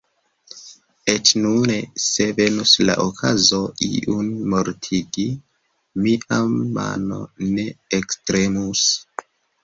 Eĉ nune, se venus la okazo iun mortigi, mia mano ne ektremus.